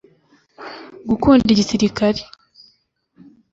gukunda igisirikare